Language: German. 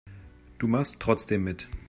Du machst trotzdem mit.